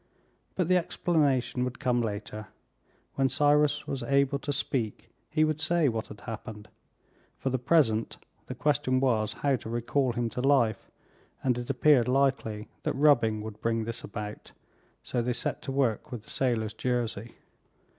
But the explanation would come later. When Cyrus was able to speak he would say what had happened. For the present the question was, how to recall him to life, and it appeared likely that rubbing would bring this about; so they set to work with the sailor's jersey.